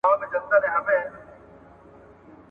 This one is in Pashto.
شپانه مو مړ دی د سهار غر مو شپېلۍ نه لري .